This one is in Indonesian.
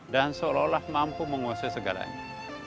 dan seolah olah mampu menguasai segalanya